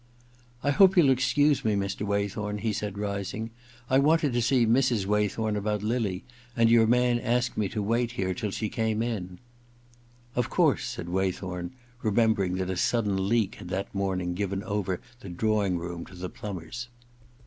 *I hope you'll excuse me, Mr. Waythorn,' he said, rising. * I wanted to see Mrs. Waythorn 72 THE OTHER TWO v about Lily, and your man asked me to wait here till she came in/ * Of course/ said Waythom, remembering that a sudden leak had that morning given over the drawing room to the plumbers.